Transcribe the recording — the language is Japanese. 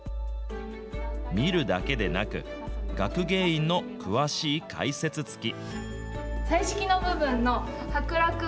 見るだけでなく、学芸員の詳しい解説付き。